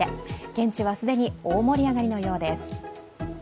現地は既に大盛り上がりのようです。